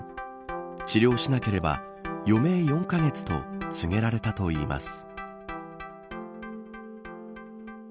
治療しなければ余命４カ月と告げられたといいます。